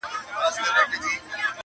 • په بشپړه بې تفاوتي -